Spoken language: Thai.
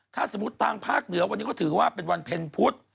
ถ้าสมมุติทางภาคเหนือวันนี้เขาถือว่าเป็นวันเพ็ญพุธ